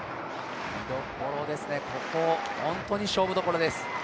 見どころですね、ここ本当に勝負どころです。